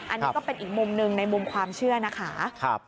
อันนี้ก็เป็นอีกมุมหนึ่งในมุมความเชื่อนะคะ